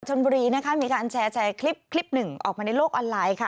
ชนบุรีนะคะมีการแชร์คลิปคลิปหนึ่งออกมาในโลกออนไลน์ค่ะ